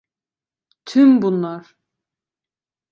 Tüm bunlar!